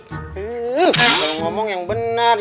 belum ngomong yang bener